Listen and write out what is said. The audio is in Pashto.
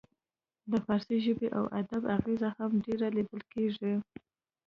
د فارسي ژبې او ادب اغیزه هم ډیره لیدل کیږي